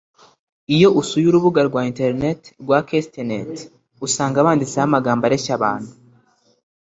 Iyo usuye urubuga rwa Intenet rwa Quest net usanga banditseho amagambo areshya abantu